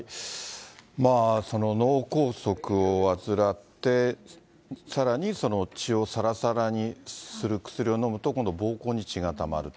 脳梗塞を患って、さらに血をさらさらにする薬を飲むと、今度、膀胱に血がたまると。